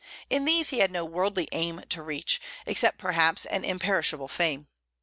In these he had no worldly aim to reach, except perhaps an imperishable fame.